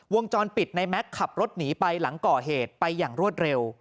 วงจรปิดในแม็กซ์ขับรถหนีไปหลังก่อเหตุไปอย่างรวดเร็ว